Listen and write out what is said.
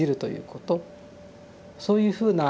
そういうふうな